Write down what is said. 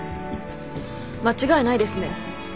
間違いないですね。